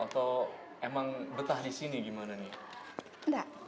atau emang betah di sini gimana nih